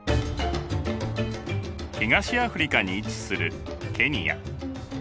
東アフリカに位置するケニア。